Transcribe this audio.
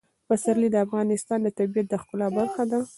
پسرلی د افغانستان د طبیعت د ښکلا برخه ده.